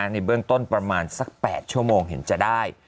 ในเบื้องต้นประมาณสัก๘ชั่วโมงเห็นจะได้